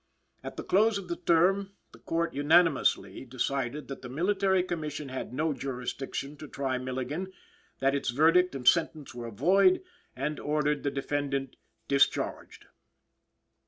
At the close of the term the Court unanimously decided that the Military Commission had no jurisdiction to try Milligan; that its verdict and sentence were void; and ordered the defendant discharged.